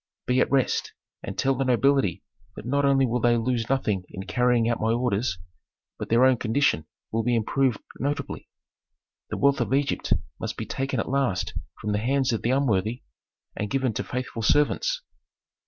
"Be at rest, and tell the nobility that not only will they lose nothing in carrying out my orders, but their own condition will be improved notably. The wealth of Egypt must be taken at last from the hands of the unworthy and given to faithful servants."